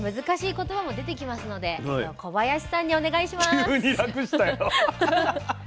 難しい言葉も出てきますので小林さんにお願いします。